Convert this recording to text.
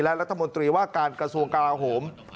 และรัฐมนตรีว่าการกระทรวงกราโหม